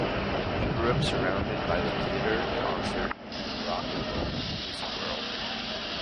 He grew up surrounded by the theatre, concert, and rock and roll music world.